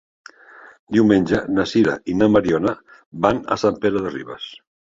Diumenge na Sira i na Mariona van a Sant Pere de Ribes.